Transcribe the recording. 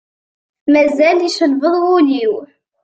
Mazal yeccelbeḍ wul-iw.